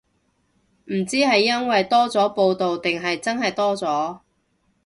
唔知係因為多咗報導定係真係多咗